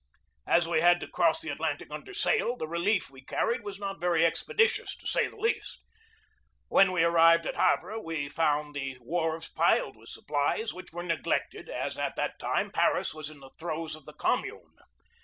As we had to cross the Atlantic under sail, the relief we carried was not very expeditious, to say the least. When we arrived at Havre we found the wharves piled with supplies which were neglected, as at that time Paris was in the throes of the Com mune.